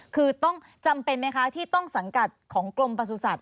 คือต้องจำเป็นไหมคะที่ต้องสังกัดของกรมประสุทธิ